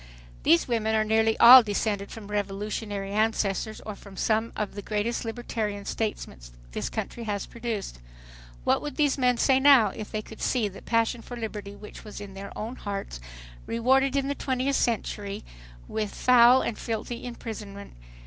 These women are nearly all descended from revolutionary ancestors or from some of the greatest libertarian statesmen this country has produced. What would these men say now if they could see that passion for liberty which was in their own hearts rewarded in the twentieth century with foul and filthy imprisonment!